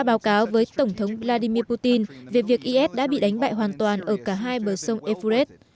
báo cáo với tổng thống vladimir putin về việc is đã bị đánh bại hoàn toàn ở cả hai bờ sông evuret